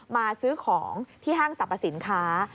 มาซื้อของที่ห้างสรรพสินค้า